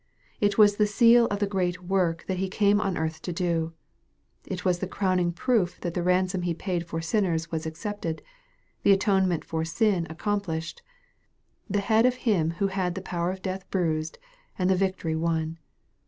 It was the seal of the great work that He came on earth to do. It was the crowning proof that the ransom He paid for sinners was accepted, the atonement for sin ac complished, the head of him who had the power of death bruised, and the victory won.